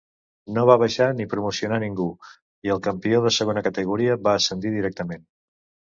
No va baixar ni promocionar ningú, i el campió de Segona Categoria va ascendir directament.